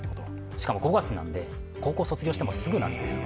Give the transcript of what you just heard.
しかも、５月なんで、高校卒業してすぐなんですね。